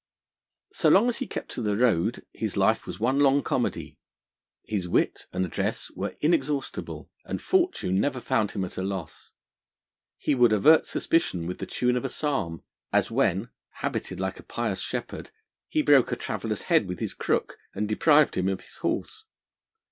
So long as he kept to the road, his life was one long comedy. His wit and address were inexhaustible, and fortune never found him at a loss. He would avert suspicion with the tune of a psalm, as when, habited like a pious shepherd, he broke a traveller's head with his crook, and deprived him of his horse.